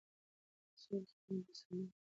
په کڅوړه کې يوه مجسمه وه.